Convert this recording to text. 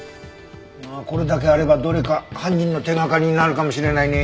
これだけあればどれか犯人の手掛かりになるかもしれないね。